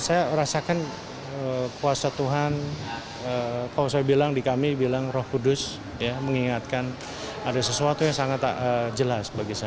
saya rasakan kuasa tuhan kalau saya bilang di kami bilang roh kudus mengingatkan ada sesuatu yang sangat jelas bagi saya